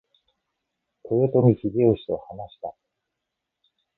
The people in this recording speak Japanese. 豊臣秀吉と話した。